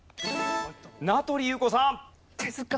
名取裕子さん。